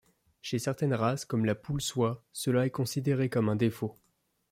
Chez certaines races, comme la poule soie, cela est considéré comme un défaut.